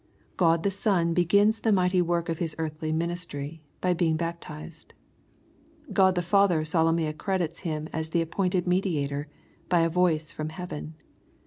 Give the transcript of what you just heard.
God the Son begins the mighty work of His earthly ministry, by being baptized. God the Father solemnly accredits Him as the appointed Mediator, by a voice from heaven.